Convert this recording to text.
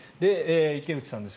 池内さんです。